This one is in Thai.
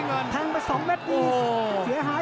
ติดตามยังน้อยกว่า